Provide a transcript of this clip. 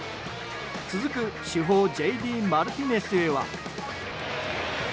続く主砲Ｊ．Ｄ．マルティネスへは。